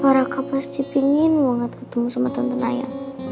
parahkah pasti pingin banget ketemu sama tante naya